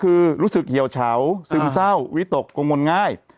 คือรู้สึกเหี่ยวเฉาซึมเศร้าวิตกกังวลง่าย